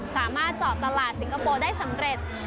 สามารถเจาะตลาดสิงคโปร์ได้สำเร็จ